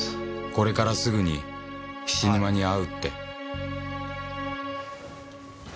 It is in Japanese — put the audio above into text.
これからすぐに菱沼に会うって。